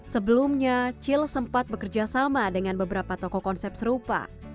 sebelumnya cil sempat bekerja sama dengan beberapa toko konsep serupa